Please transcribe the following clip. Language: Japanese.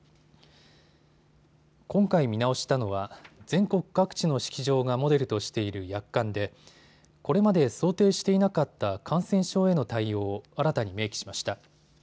今回、見直したのは全国各地の式場がモデルとしている約款でこれまで想定していなかった感染症への対応を新たに明記しました。